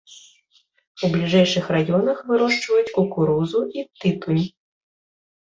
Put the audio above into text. У бліжэйшых раёнах вырошчваюць кукурузу і тытунь.